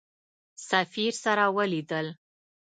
سفیر سره ولیدل.